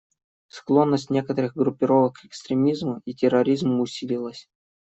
Склонность некоторых группировок к экстремизму и терроризму усилилась.